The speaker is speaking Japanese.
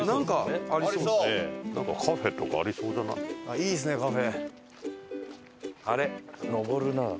いいですねカフェ。